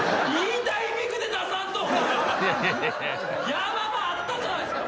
ヤマ場あったじゃないですか。